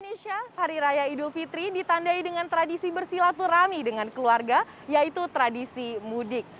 indonesia hari raya idul fitri ditandai dengan tradisi bersilaturahmi dengan keluarga yaitu tradisi mudik